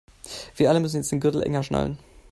Wir alle müssen jetzt den Gürtel enger schnallen.